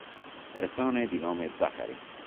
Persone di nome Zachary